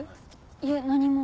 いえ何も。